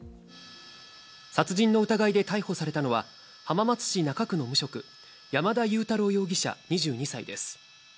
殺人の疑いで逮捕されたのは、浜松市中区の無職、山田悠太郎容疑者２２歳です。